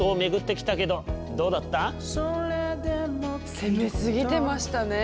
攻めすぎてましたね。